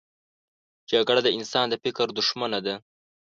جګړه د انسان د فکر دښمنه ده